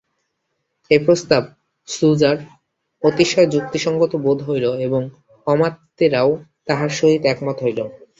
এ প্রস্তাব সুজার অতিশয় যুক্তিসংগত বোধ হইল, এবং অমাত্যেরাও তাঁহার সহিত একমত হইল।